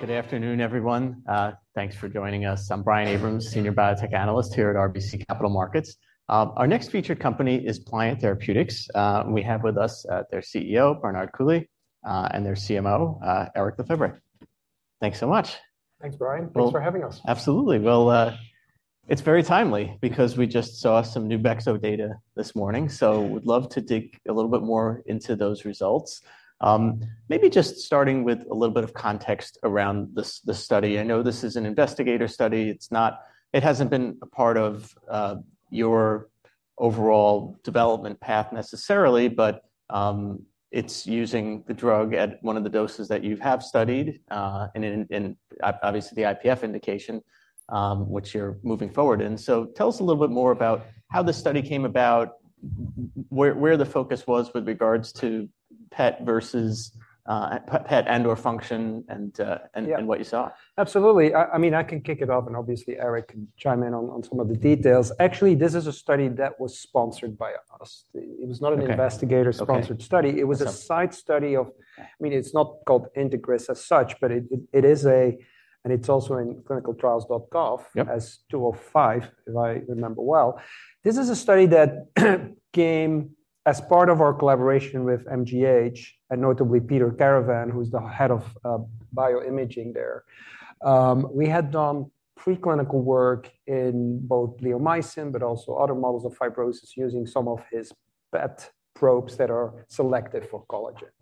Good afternoon, everyone. Thanks for joining us. I'm Brian Abrahams, Senior Biotech Analyst here at RBC Capital Markets. Our next featured company is Pliant Therapeutics. We have with us, their CEO, Bernard Coulie, and their CMO, Eric Lefebvre. Thanks so much. Thanks, Brian. Thanks for having us. Absolutely. Well, it's very timely because we just saw some new bexotegrast data this morning, so would love to dig a little bit more into those results. Maybe just starting with a little bit of context around this study. I know this is an investigator study. It's not—it hasn't been a part of your overall development path necessarily, but it's using the drug at one of the doses that you have studied, and in obviously the IPF indication, which you're moving forward in. So tell us a little bit more about how this study came about, where the focus was with regards to PET versus PET and/or function, and what you saw. Yeah. Absolutely. I mean, I can kick it off, and obviously Eric can chime in on some of the details. Actually, this is a study that was sponsored by us. It was not an investigator-sponsored study. It was a side study of—I mean, it's not called INTEGRIS as such, but it is a—and it's also in clinicaltrials.gov as 205, if I remember well. This is a study that came, as part of our collaboration with MGH, and notably Peter Caravan, who's the head of bioimaging there. We had done preclinical work in both bleomycin but also other models of fibrosis using some of his PET probes that are selective for collagen.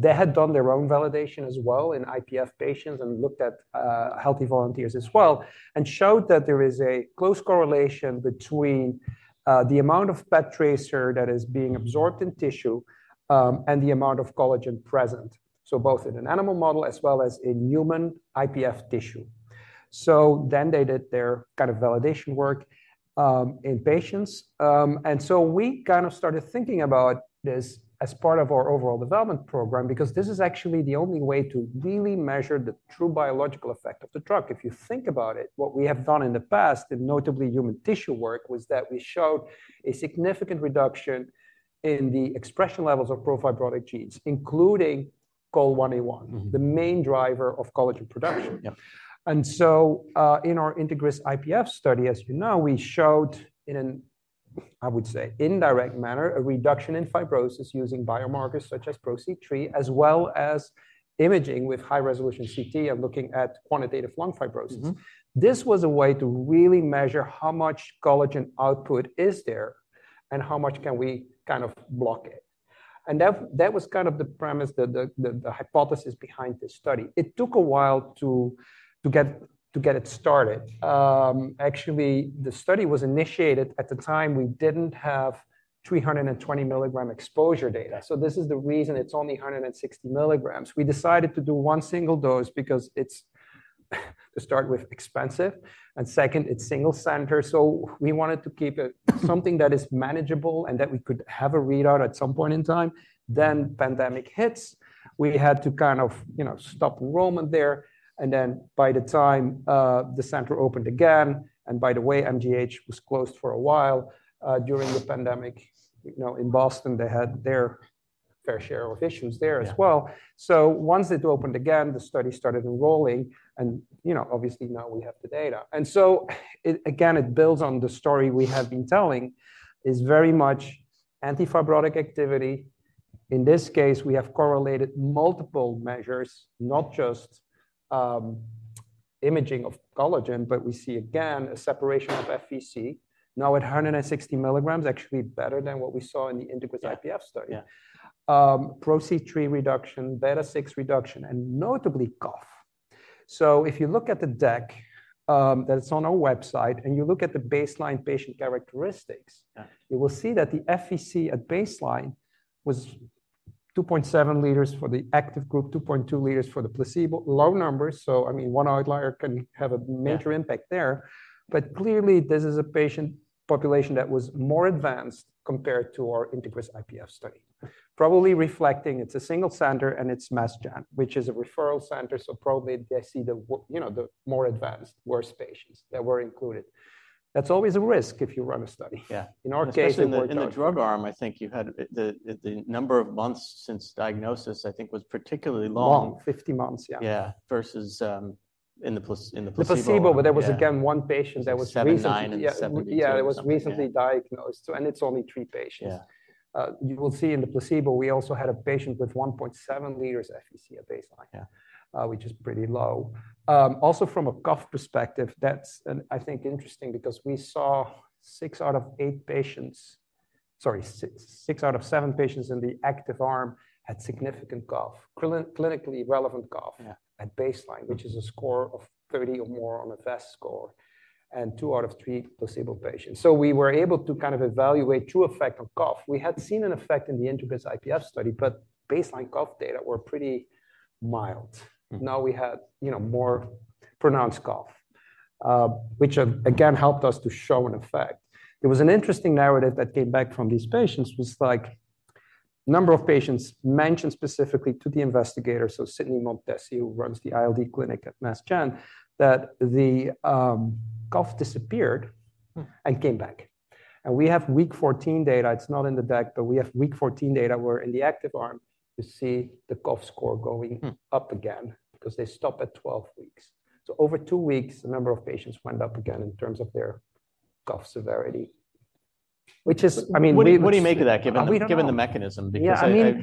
They had done their own validation as well in IPF patients and looked at healthy volunteers as well, and showed that there is a close correlation between the amount of PET tracer that is being absorbed in tissue and the amount of collagen present, so both in an animal model as well as in human IPF tissue. So then they did their kind of validation work in patients. And so we kind of started thinking about this as part of our overall development program because this is actually the only way to really measure the true biological effect of the drug. If you think about it, what we have done in the past, and notably human tissue work, was that we showed a significant reduction in the expression levels of profibrotic genes, including COL1A1, the main driver of collagen production. Yeah. In our Integris IPF study, as you know, we showed, in an, I would say, indirect manner, a reduction in fibrosis using biomarkers such as PRO-C3 as well as imaging with high-resolution CT and looking at quantitative lung fibrosis. This was a way to really measure how much collagen output is there and how much can we kind of block it. And that was kind of the premise, the hypothesis behind this study. It took a while to get it started. Actually, the study was initiated at the time we didn't have 320 milligram exposure data, so this is the reason it's only 160 milligrams. We decided to do one single dose because it's, to start with, expensive, and second, it's single-centered, so we wanted to keep it something that is manageable and that we could have a readout at some point in time. Then the pandemic hits. We had to kind of, you know, stop enrolling there. And then by the time, the center opened again, and by the way, MGH was closed for a while, during the pandemic. You know, in Boston, they had their fair share of issues there as well. So once it opened again, the study started enrolling, and, you know, obviously now we have the data. And so it—again, it builds on the story we have been telling, is very much anti-fibrotic activity. In this case, we have correlated multiple measures, not just imaging of collagen, but we see again a separation of FVC, now at 160 milligrams, actually better than what we saw in the INTEGRIS-IPF study. Yeah. PRO-C3 reduction, beta-6 reduction, and notably cough. So if you look at the deck, that's on our website, and you look at the baseline patient characteristics, you will see that the FVC at baseline was 2.7 liters for the active group, 2.2 liters for the placebo. Low numbers, so I mean, one outlier can have a major impact there. But clearly, this is a patient population that was more advanced compared to our INTEGRIS-IPF study, probably reflecting it's a single-center and it's Mass Gen, which is a referral center, so probably they see the, you know, the more advanced, worse patients that were included. That's always a risk if you run a study. Yeah. In our case. Especially in the drug arm, I think you had the number of months since diagnosis, I think, was particularly long. Long. 50 months. Yeah. Yeah. Versus, in the placebo. The placebo, but there was again one patient that was recently. 79 and 70. Yeah. That was recently diagnosed, and it's only three patients. Yeah. You will see in the placebo, we also had a patient with 1.7 liters FVC at baseline, which is pretty low. Also from a cough perspective, that's an, I think, interesting because we saw 6 out of 8 patients—sorry, six out of seven patients in the active arm had significant cough, clinically relevant cough at baseline, which is a score of 30 or more on a VAS score, and two out of three placebo patients. So we were able to kind of evaluate true effect on cough. We had seen an effect in the INTEGRIS-IPF study, but baseline cough data were pretty mild. Now we had, you know, more pronounced cough, which again helped us to show an effect. There was an interesting narrative that came back from these patients, like a number of patients mentioned specifically to the investigator, so Sydney Montesi, who runs the ILD clinic at Mass Gen, that the cough disappeared and came back. And we have week 14 data. It's not in the deck, but we have week 14 data where in the active arm you see the cough score going up again because they stop at 12 weeks. So over two weeks, the number of patients went up again in terms of their cough severity, which is, I mean. What do you make of that given the mechanism? Because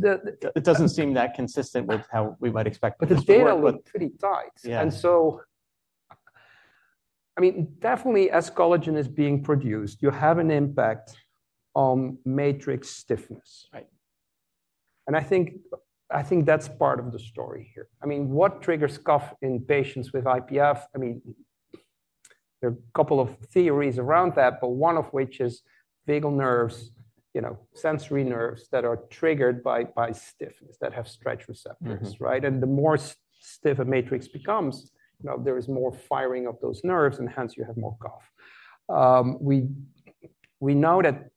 it doesn't seem that consistent with how we might expect people to put it. The data were pretty tight. So, I mean, definitely as collagen is being produced, you have an impact on matrix stiffness. Right. And I think—I think that's part of the story here. I mean, what triggers cough in patients with IPF? I mean, there are a couple of theories around that, but one of which is vagal nerves, you know, sensory nerves that are triggered by-by stiffness that have stretch receptors, right? And the more stiff a matrix becomes, you know, there is more firing of those nerves, and hence you have more cough. We-we know that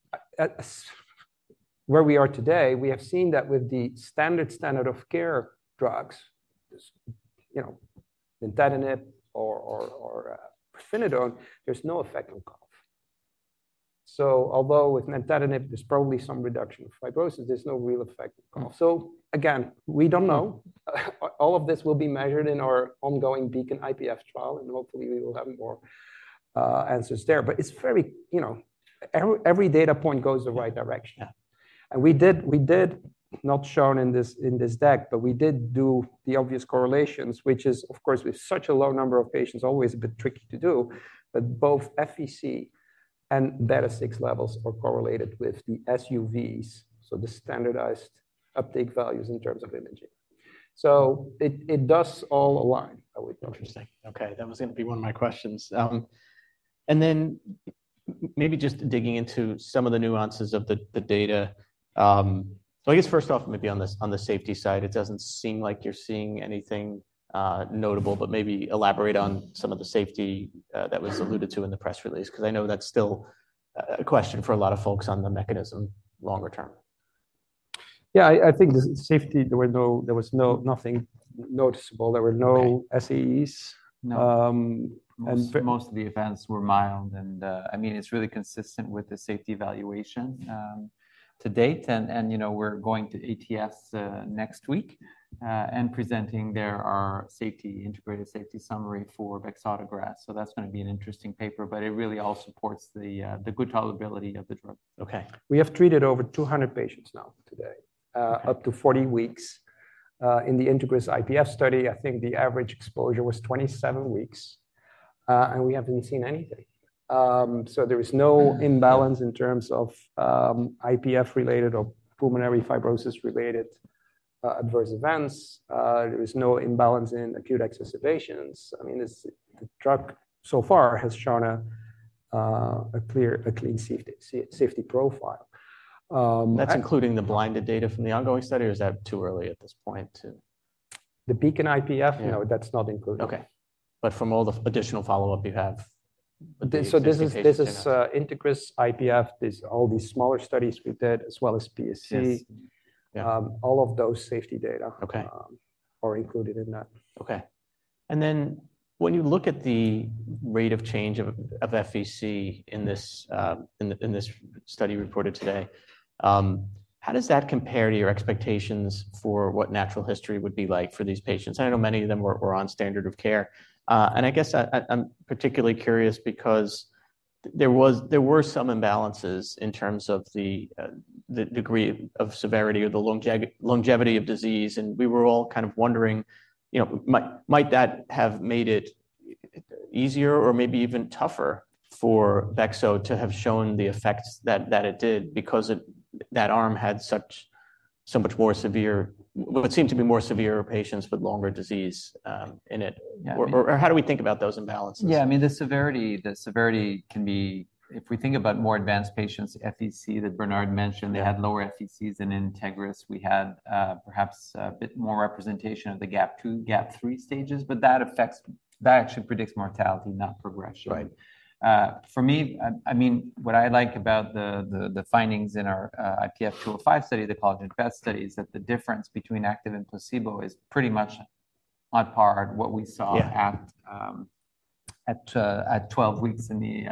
where we are today, we have seen that with the standard standard of care drugs, you know, nintedanib or pirfenidone, there's no effect on cough. So although with nintedanib, there's probably some reduction of fibrosis, there's no real effect on cough. So again, we don't know. All of this will be measured in our ongoing BEACON-IPF trial, and hopefully we will have more answers there. But it's very, you know, every data point goes the right direction. Yeah. We did not show in this deck, but we did do the obvious correlations, which is, of course, with such a low number of patients, always a bit tricky to do, but both FVC and beta-6 levels are correlated with the SUVs, so the standardized uptake values in terms of imaging. So it does all align, I would think. Interesting. Okay. That was going to be one of my questions. Then maybe just digging into some of the nuances of the data. So I guess first off, maybe on this on the safety side, it doesn't seem like you're seeing anything notable, but maybe elaborate on some of the safety that was alluded to in the press release, because I know that's still a question for a lot of folks on the mechanism longer term. Yeah. I think the safety, there were no, there was no nothing noticeable. There were no SAEs. No. and. Most of the events were mild, and, I mean, it's really consistent with the safety evaluation to date. And, you know, we're going to ATS next week, and presenting there our safety, integrated safety summary for bexotegrast. So that's going to be an interesting paper, but it really all supports the good tolerability of the drug. Okay. We have treated over 200 patients now today, up to 40 weeks in the INTEGRIS-IPF study. I think the average exposure was 27 weeks, and we haven't seen anything. So there is no imbalance in terms of IPF-related or pulmonary fibrosis-related adverse events. There is no imbalance in acute exacerbations. I mean, this—the drug so far has shown a clear—a clean safety—safety profile. That's including the blinded data from the ongoing study, or is that too early at this point to? The BEACON-IPF, no, that's not included. Okay. But from all the additional follow-up, you have additional safety indicators. So this is INTEGRIS-IPF. There's all these smaller studies we did, as well as PSCs. All of those safety data are included in that. Okay. And then when you look at the rate of change of FVC in this study reported today, how does that compare to your expectations for what natural history would be like for these patients? I know many of them were on standard of care. And I guess I'm particularly curious because there were some imbalances in terms of the degree of severity or the longevity of disease, and we were all kind of wondering, you know, might that have made it easier or maybe even tougher for Bexo to have shown the effects that it did because that arm had so much more severe, what seemed to be more severe patients with longer disease in it? Or how do we think about those imbalances? Yeah. I mean, the severity, the severity can be, if we think about more advanced patients, FVC that Bernard mentioned, they had lower FVCs than INTEGRIS. We had, perhaps a bit more representation of the GAP2, GAP3 stages, but that affects, that actually predicts mortality, not progression. Right. For me, I mean, what I like about the findings in our IPF 205 study, the collagen PET study, is that the difference between active and placebo is pretty much on par with what we saw at 12 weeks in the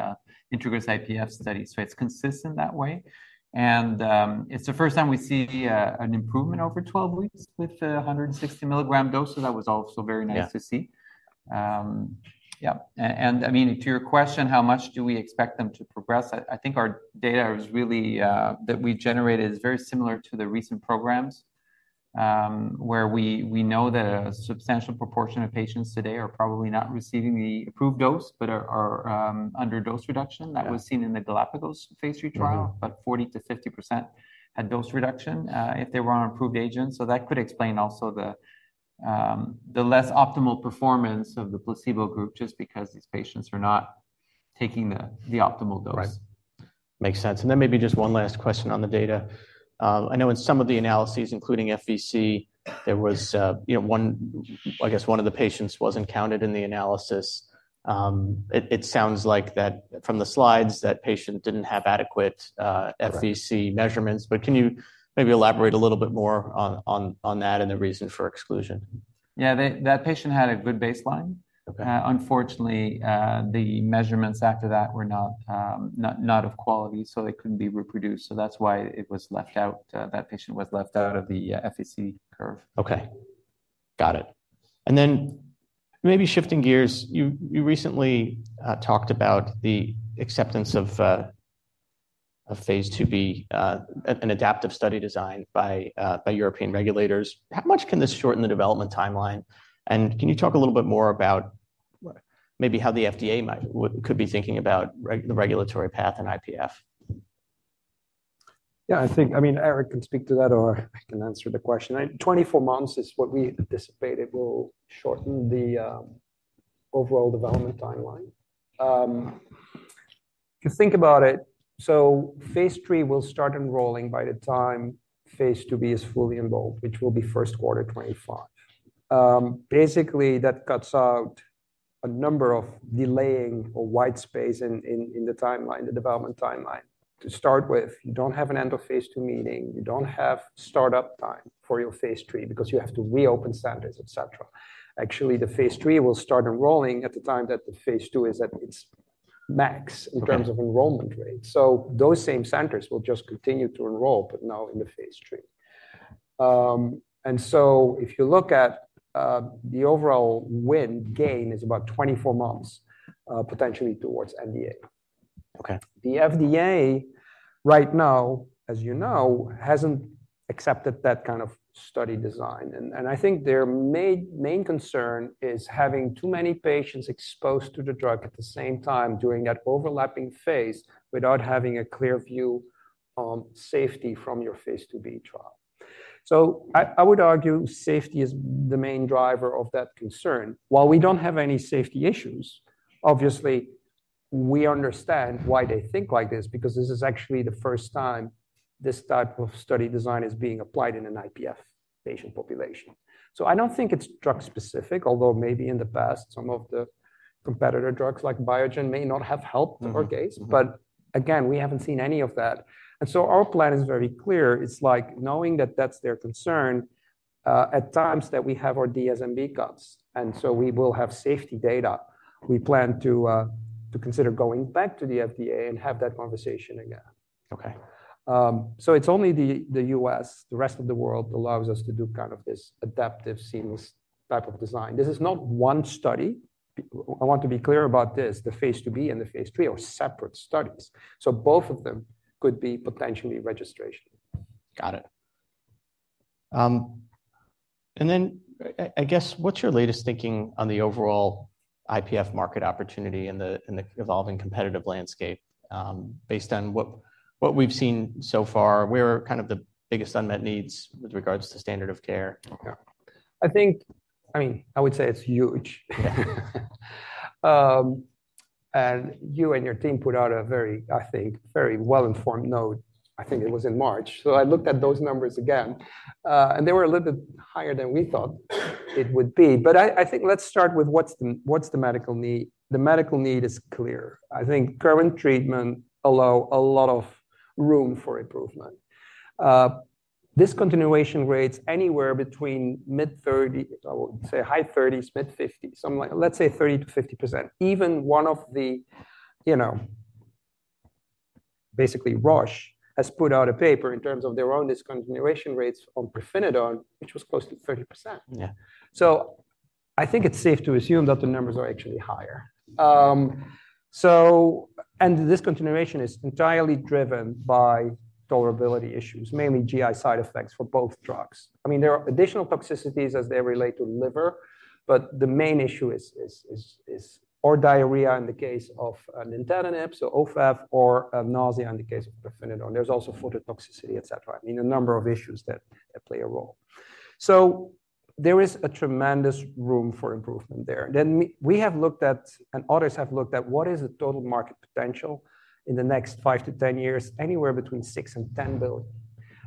INTEGRIS-IPF study. So it's consistent that way. And it's the first time we see an improvement over 12 weeks with the 160 milligram dose, so that was also very nice to see. Yeah. And I mean, to your question, how much do we expect them to progress? I think our data was really that we generated is very similar to the recent programs, where we know that a substantial proportion of patients today are probably not receiving the approved dose but are under dose reduction. That was seen in the Galapagos phase III trial, but 40%-50% had dose reduction, if they were on approved agents. So that could explain also the less optimal performance of the placebo group just because these patients are not taking the optimal dose. Right. Makes sense. And then maybe just one last question on the data. I know in some of the analyses, including FVC, there was, you know, one, I guess one of the patients wasn't counted in the analysis. It sounds like that from the slides, that patient didn't have adequate FVC measurements. But can you maybe elaborate a little bit more on that and the reason for exclusion? Yeah. That patient had a good baseline. Unfortunately, the measurements after that were not of quality, so they couldn't be reproduced. So that's why it was left out. That patient was left out of the FVC curve. Okay. Got it. And then maybe shifting gears, you recently talked about the acceptance of phase IIb, an adaptive study design by European regulators. How much can this shorten the development timeline? And can you talk a little bit more about maybe how the FDA might, could be thinking about the regulatory path in IPF? Yeah. I think, I mean, Eric can speak to that or I can answer the question. 24 months is what we anticipated will shorten the overall development timeline. If you think about it, so phase III will start enrolling by the time phase IIB is fully enrolled, which will be first quarter 2025. Basically, that cuts out a number of delaying or white space in the timeline, the development timeline. To start with, you don't have an end-of-phase II meeting. You don't have startup time for your phase III because you have to reopen centers, etc. Actually, the phase III will start enrolling at the time that the phase II is at its max in terms of enrollment rate. So those same centers will just continue to enroll, but now in the phase III. and so if you look at the overall win gain, it is about 24 months, potentially towards NDA. Okay. The FDA right now, as you know, hasn't accepted that kind of study design. I think their main concern is having too many patients exposed to the drug at the same time during that overlapping phase without having a clear view on safety from your Phase IIB trial. I would argue safety is the main driver of that concern. While we don't have any safety issues, obviously, we understand why they think like this because this is actually the first time this type of study design is being applied in an IPF patient population. I don't think it's drug-specific, although maybe in the past, some of the competitor drugs like Biogen may not have helped our case. But again, we haven't seen any of that. And so our plan is very clear. It's like knowing that that's their concern, at times that we have our DSMB cuts, and so we will have safety data. We plan to consider going back to the FDA and have that conversation again. Okay. So it's only the US, the rest of the world, allows us to do kind of this adaptive, seamless type of design. This is not one study. I want to be clear about this. The phase IIB and the phase III are separate studies. So both of them could be potentially registration. Got it. And then I guess what's your latest thinking on the overall IPF market opportunity in the—in the evolving competitive landscape, based on what—what we've seen so far? Where are kind of the biggest unmet needs with regards to standard of care? Yeah. I think, I mean, I would say it's huge. And you and your team put out a very, I think, very well-informed note. I think it was in March. So I looked at those numbers again, and they were a little bit higher than we thought it would be. But I think let's start with what's the—what's the medical need? The medical need is clear. I think current treatment allows a lot of room for improvement. Discontinuation rates anywhere between mid-30s, I would say high 30s, mid-50s, something like, let's say 30%-50%. Even one of the, you know, basically Roche has put out a paper in terms of their own discontinuation rates on pirfenidone, which was close to 30%. Yeah. So I think it's safe to assume that the numbers are actually higher. And discontinuation is entirely driven by tolerability issues, mainly GI side effects for both drugs. I mean, there are additional toxicities as they relate to liver, but the main issue is diarrhea in the case of Nintedanib, so Ofev, or nausea in the case of Pirfenidone. There's also phototoxicity, etc. I mean, a number of issues that play a role. So there is a tremendous room for improvement there. Then we have looked at, and others have looked at, what is the total market potential in the next 5-10 years, anywhere between $6 billion and $10 billion.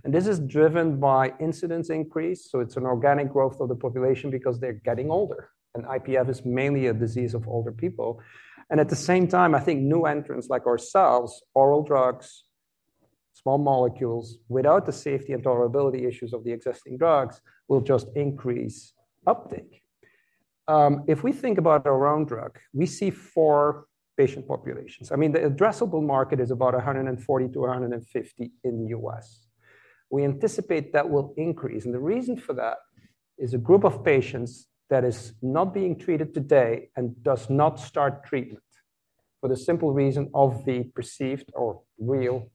And this is driven by incidence increase. So it's an organic growth of the population because they're getting older. And IPF is mainly a disease of older people. At the same time, I think new entrants like ourselves, oral drugs, small molecules, without the safety and tolerability issues of the existing drugs, will just increase uptake. If we think about our own drug, we see four patient populations. I mean, the addressable market is about $140-$150 in the US. We anticipate that will increase. The reason for that is a group of patients that is not being treated today and does not start treatment for the simple reason of the perceived or real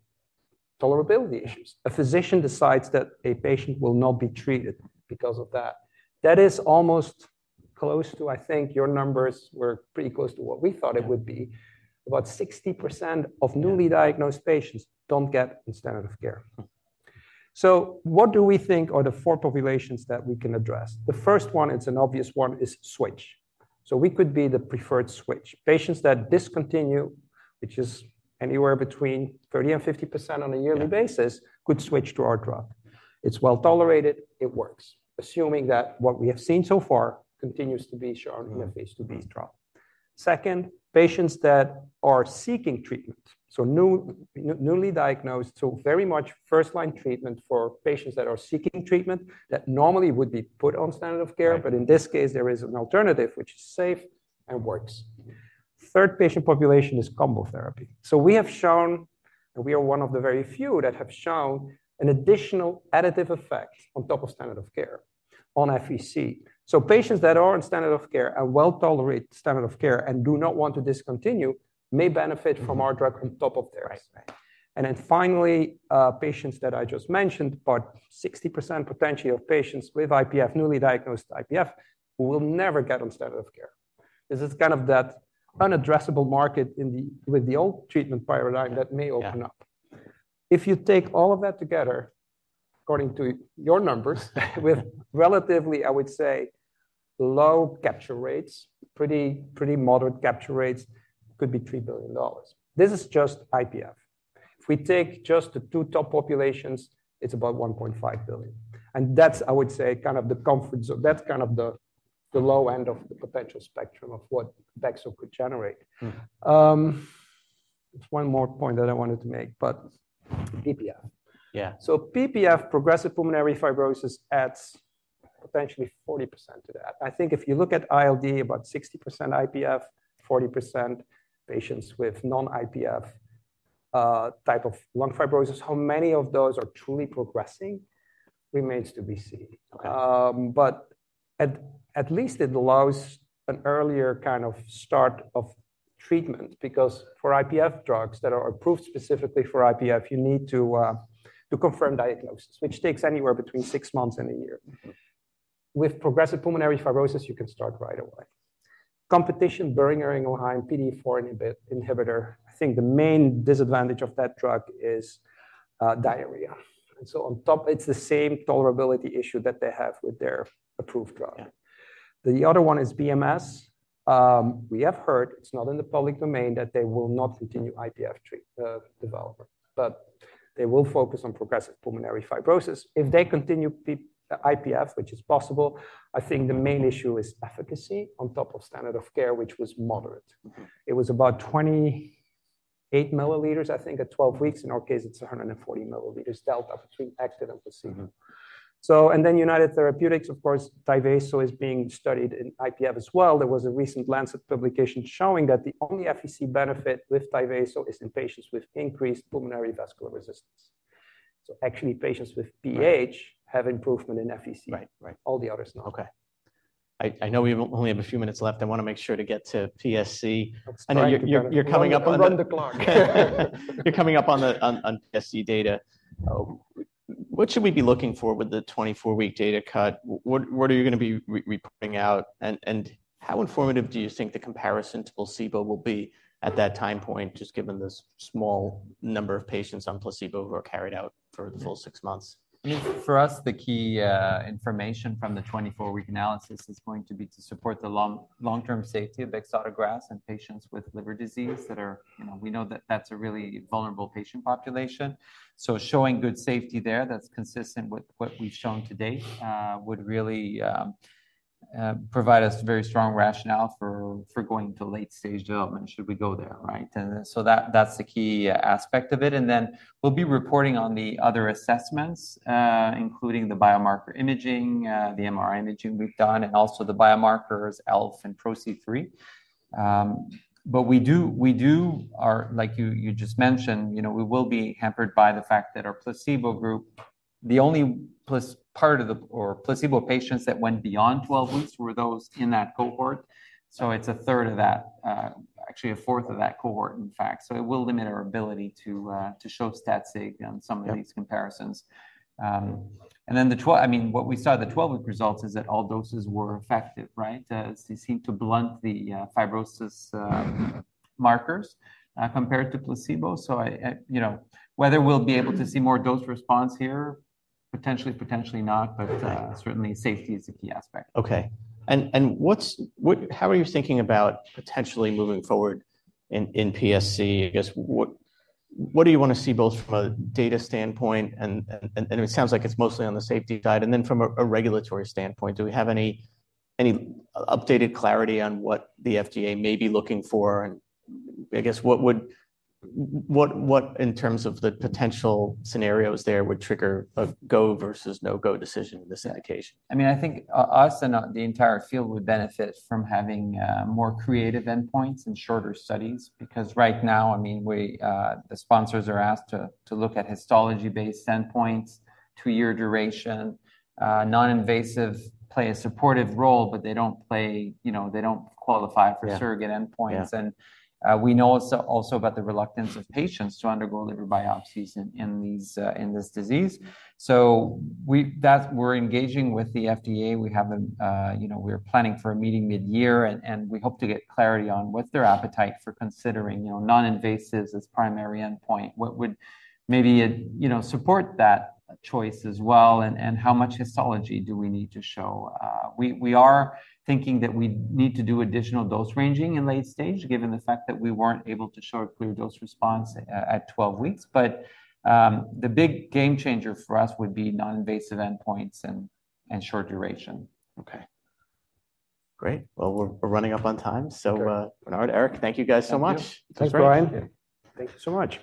tolerability issues. A physician decides that a patient will not be treated because of that. That is almost close to, I think, your numbers were pretty close to what we thought it would be. About 60% of newly diagnosed patients don't get in standard of care. So what do we think are the four populations that we can address? The first one, it's an obvious one, is switch. So we could be the preferred switch. Patients that discontinue, which is anywhere between 30%-50% on a yearly basis, could switch to our drug. It's well tolerated. It works, assuming that what we have seen so far continues to be shown in a phase IIB trial. Second, patients that are seeking treatment, so newly diagnosed, so very much first-line treatment for patients that are seeking treatment that normally would be put on standard of care, but in this case, there is an alternative which is safe and works. Third patient population is combo therapy. So we have shown, and we are one of the very few that have shown an additional additive effect on top of standard of care on FVC. So patients that are in standard of care and well tolerate standard of care and do not want to discontinue may benefit from our drug on top of theirs. And then finally, patients that I just mentioned, about 60% potentially of patients with IPF, newly diagnosed IPF, will never get on standard of care. This is kind of that unaddressable market within the old treatment paradigm that may open up. If you take all of that together, according to your numbers, with relatively, I would say, low capture rates, pretty-pretty moderate capture rates, could be $3 billion. This is just IPF. If we take just the two top populations, it's about $1.5 billion. And that's, I would say, kind of the comfort zone. That's kind of the-the low end of the potential spectrum of what Bexo could generate. There's one more point that I wanted to make, but PPF. Yeah. So PPF, progressive pulmonary fibrosis, adds potentially 40% to that. I think if you look at ILD, about 60% IPF, 40% patients with non-IPF, type of lung fibrosis, how many of those are truly progressing remains to be seen. Okay. but at least it allows an earlier kind of start of treatment because for IPF drugs that are approved specifically for IPF, you need to confirm diagnosis, which takes anywhere between six months and one year. With progressive pulmonary fibrosis, you can start right away. Competition, Boehringer Ingelheim, PDE4 inhibitor, I think the main disadvantage of that drug is diarrhea. And so on top, it's the same tolerability issue that they have with their approved drug. The other one is BMS. We have heard, it's not in the public domain, that they will not continue IPF treatment development, but they will focus on progressive pulmonary fibrosis. If they continue IPF, which is possible, I think the main issue is efficacy on top of standard of care, which was moderate. It was about 28 milliliters, I think, at 12 weeks. In our case, it's 140 milliliters, delta between active and placebo. And then United Therapeutics, of course, Tyvaso is being studied in IPF as well. There was a recent Lancet publication showing that the only FVC benefit with Tyvaso is in patients with increased pulmonary vascular resistance. Actually, patients with PH have improvement in FVC. Right. Right. All the others not. Okay. I know we only have a few minutes left. I want to make sure to get to PSC. Oh, sorry. I know you're coming up on the. Run the clock. You're coming up on the PSC data. Oh, what should we be looking for with the 24-week data cut? What are you going to be reporting out? And how informative do you think the comparison to placebo will be at that time point, just given this small number of patients on placebo who are carried out for the full 6 months? I mean, for us, the key information from the 24-week analysis is going to be to support the long-term safety of bexotegrast in patients with liver disease that are, you know, we know that that's a really vulnerable patient population. So showing good safety there, that's consistent with what we've shown to date, would really provide us very strong rationale for going to late-stage development should we go there, right? And so that's the key aspect of it. And then we'll be reporting on the other assessments, including the biomarker imaging, the MRI imaging we've done, and also the biomarkers ELF and PRO-C3. But we do, like you just mentioned, you know, we will be hampered by the fact that our placebo group, the only plus part of the or placebo patients that went beyond 12 weeks were those in that cohort. So it's a third of that, actually a fourth of that cohort, in fact. So it will limit our ability to, to show stats on some of these comparisons. And then the 12, I mean, what we saw, the 12-week results is that all doses were effective, right? They seemed to blunt the fibrosis markers, compared to placebo. So I, I, you know, whether we'll be able to see more dose response here, potentially, potentially not, but certainly safety is the key aspect. Okay. And what, how are you thinking about potentially moving forward in PSC? I guess what do you want to see both from a data standpoint and it sounds like it's mostly on the safety side. And then from a regulatory standpoint, do we have any updated clarity on what the FDA may be looking for? And I guess what would in terms of the potential scenarios there would trigger a go versus no-go decision in this indication? I mean, I think us and the entire field would benefit from having more creative endpoints and shorter studies because right now, I mean, we, the sponsors are asked to look at histology-based endpoints, two-year duration, non-invasive play a supportive role, but they don't play, you know, they don't qualify for surrogate endpoints. And we know also about the reluctance of patients to undergo liver biopsies in this disease. So that's why we're engaging with the FDA. We have a, you know, we're planning for a meeting mid-year, and we hope to get clarity on what's their appetite for considering, you know, non-invasive as primary endpoint, what would maybe support that choice as well, and how much histology do we need to show? We are thinking that we need to do additional dose ranging in late-stage, given the fact that we weren't able to show a clear dose response at 12 weeks. But, the big game changer for us would be non-invasive endpoints and short duration. Okay. Great. Well, we're running up on time. So, Bernard, Eric, thank you guys so much. Thanks, Brian. Thank you so much.